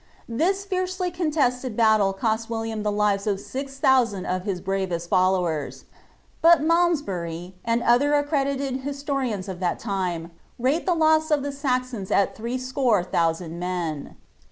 This fiercely coiilestei! baliie com William the lives of six thousand of his bravenl followers ; but Malmsbury, and other arrredited htstorikiu of thai lime, rale the loss of the Saxons at threescore tlionsand men.'